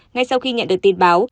ngay sau khi nhận được tin báo